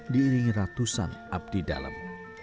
diiringi ratusan abdi dalam